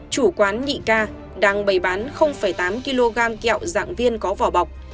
chủ quán nhị ca đang bày bán tám kg kẹo dạng viên có vỏ bọc